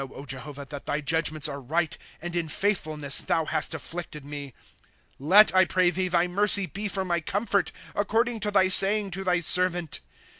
I know, Jehovah, that thy judgments are right, And in faithfulness thou hast afflicted me. ' Let, I pray, thy mercy be for my comfort, According to thy saying to tliy servant.